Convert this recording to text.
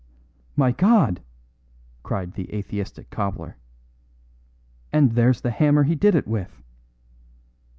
"My God!" cried the atheistic cobbler, "and there's the hammer he did it with."